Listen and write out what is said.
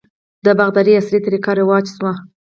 د باغدارۍ عصري طریقې رواج شوي.